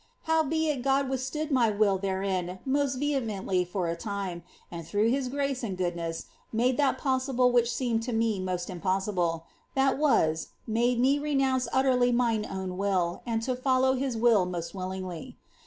Howbeit God withstood my will therein most vehemently for a , and through his grace and goodness made that possible which seemed to WMt impossible; that was, made me renounce utterly mine own will, and llow his will most willingly.